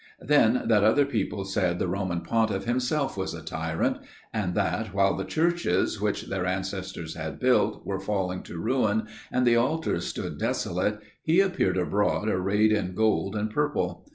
Then, that other people said the Roman Pontiff himself was a tyrant; and that, while the churches, which their ancestors had built, were falling to ruin, and the altars stood desolate, he appeared abroad arrayed in gold and purple.